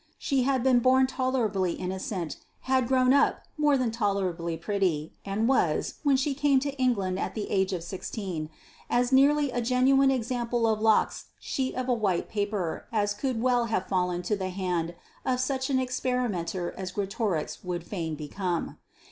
She had been born tolerably innocent, had grown up more than tolerably pretty, and was, when she came to England at the age of sixteen, as nearly a genuine example of Locke's sheet of white paper as could well have fallen to the hand of such an experimenter as Greatorex would fain become.